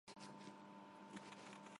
Մայան նրանց երկու երեխաներից ավագն է։